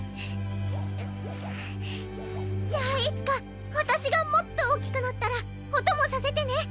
じゃあいつかわたしがもっとおおきくなったらおともさせてね。